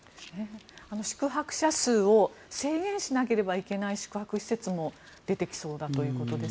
宿泊者数を制限しなければいけない宿泊施設も出てきそうだということです。